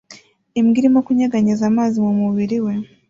Imbwa irimo kunyeganyeza amazi mu mubiri we